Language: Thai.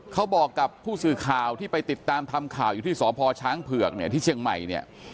เขาบอกกับผู้สื่อข่าวที่ไปติดตามทำข่าวอยู่ที่สพช้างเผือกเนี่ยที่เชียงใหม่เนี่ย